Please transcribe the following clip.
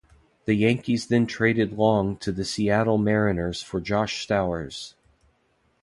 The Yankees then traded Long to the Seattle Mariners for Josh Stowers.